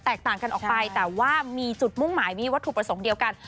ต่างกันออกไปแต่ว่ามีจุดมุ่งหมายมีวัตถุประสงค์เดียวกัน